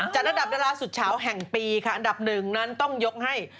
ระดับดาราสุดเฉาแห่งปีค่ะอันดับหนึ่งนั้นต้องยกให้